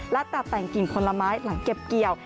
และตัดแต่งกิ่งผลไม้หลังเก็บเกี่ยว